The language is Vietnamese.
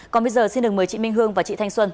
còn bây giờ xin được mời chị minh hương và chị thanh xuân